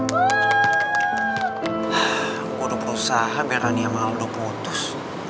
gue udah berusaha biar rania sama aldo putus